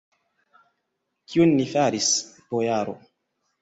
Kion ni faris, bojaro?